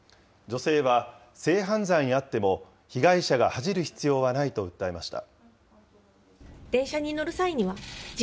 女性は性犯罪に遭っても被害者が恥じる必要はないと訴えました。